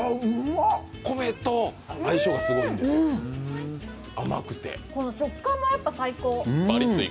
米と相性がすごいんですよ、甘くてこの食感も最高。